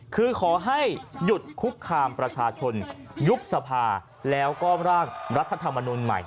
คือขอให้หยุดคุกคามประชาชนยุบสภาแล้วก็ร่างรัฐธรรมนุนใหม่